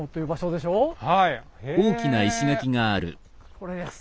これです。